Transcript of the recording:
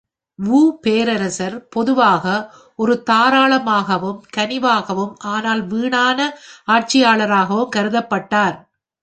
வு பேரரசர் பொதுவாக ஒரு தாராளமாகவும், கனிவாகவும், ஆனால் வீணான, ஆட்சியாளராகவும் கருதப்பட்டார்.